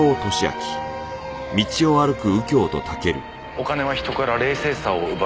お金は人から冷静さを奪う。